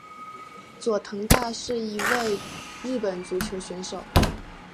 佐藤大是一位日本足球选手。